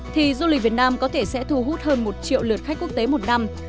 thì du lịch việt nam có thể sẽ thu hút hơn một triệu lượt khách quốc tế một năm